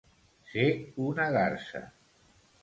Ser una garsa.